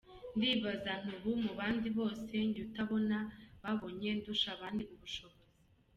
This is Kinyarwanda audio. Ndibaza nti ‘ubu mu bandi bose njye utabona, babonye ndusha abandi ubushobozi!”.